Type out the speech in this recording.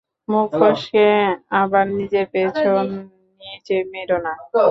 মুখ ফসকে আবার নিজের পেছন নিজে মেরো না।